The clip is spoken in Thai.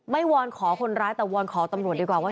วอนขอคนร้ายแต่วอนขอตำรวจดีกว่าว่า